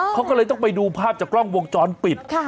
เขาก็เลยต้องไปดูภาพจากกล้องวงจรปิด